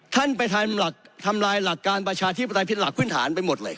ท่านประธานหลักทำลายหลักการประชาที่ปฏิผิดหลักขึ้นฐานไปหมดเลย